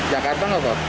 jakarta enggak kok